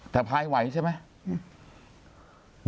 แต่พายไหวใช่ไหม